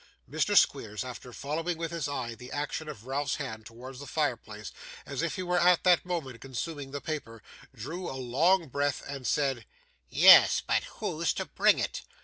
Mr. Squeers, after following with his eye the action of Ralph's hand towards the fire place as if he were at that moment consuming the paper, drew a long breath, and said: 'Yes; but who's to bring it?